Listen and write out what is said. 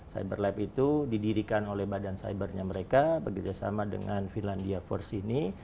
cyber lab itu didirikan oleh badan cybernya mereka bekerjasama dengan finlandia force ini